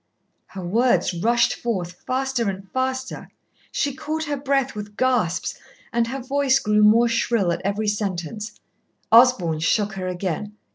Her words rushed forth faster and faster, she caught her breath with gasps, and her voice grew more shrill at every sentence. Osborn shook her again.